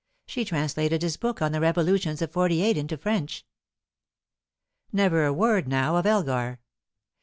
She translated his book on the revolutions of '48 into French." Never a word now of Elgar.